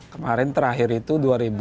kemarin terakhir itu dua ribu dua puluh satu